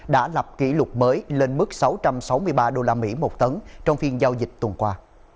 đã lập kỷ lục mới lên mức sáu trăm sáu mươi ba đô la mỹ một tấn trong phiên giao dịch tuần qua